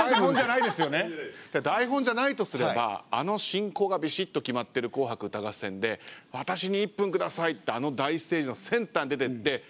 台本じゃないとすればあの進行がびしっと決まってる「紅白歌合戦」で「私に１分ください」ってあの大ステージのセンターに出てって。